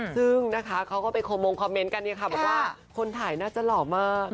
ซึ่งนะคะเขาก็ไปคอมมงคอมเมนต์กันเนี่ยค่ะบอกว่าคนถ่ายน่าจะหล่อมาก